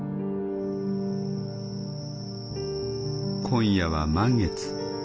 「今夜は満月」。